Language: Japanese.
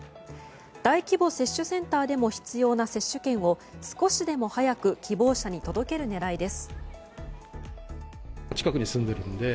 大規模接種センターでも必要な接種券を少しでも早く希望者に届ける狙いです。